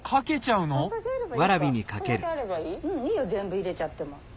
うんいいよ全部入れちゃっても。